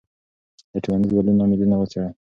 د ټولنیز بدلون لاملونه وڅېړئ.